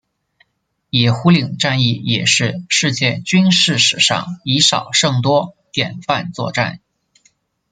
野狐岭战役也是世界军事史上以少胜多典范作战。